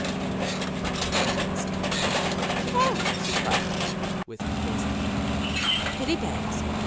Miranda came to us, breathless and laugh ing. " Oh," she cried, with her face aglow, " pitty Bears